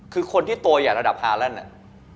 คือคนที่ตัวใหญ่ระดับฮาแลนด์เนี่ย